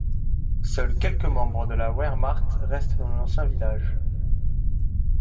Seuls quelques membres de la Wehrmacht restent dans l'ancien village.